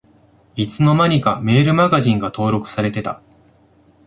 いつの間にかメールマガジンが登録されてた